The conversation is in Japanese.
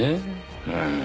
うん。